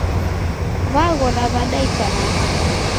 W'aghora w'ada itanaha?